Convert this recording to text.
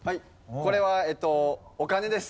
これはお金です。